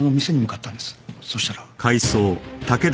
そうしたら。